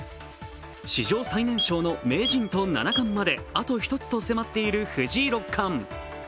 史上最年少の名人と七冠まであと１つと迫っている藤井六冠。